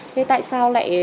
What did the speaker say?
thế tại sao lại